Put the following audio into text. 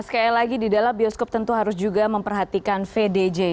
sekali lagi di dalam bioskop tentu harus juga memperhatikan vdj